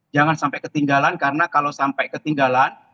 jangan sampai ketinggalan karena kalau sampai ketinggalan